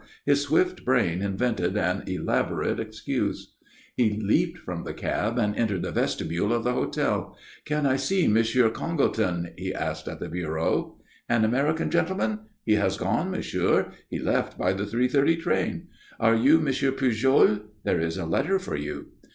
His swift brain invented an elaborate excuse. He leaped from the cab and entered the vestibule of the hotel. "Can I see M. Congleton?" he asked at the bureau. "An American gentleman? He has gone, monsieur. He left by the three thirty train. Are you M. Pujol? There is a letter for you."